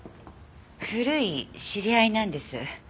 古い知り合いなんです。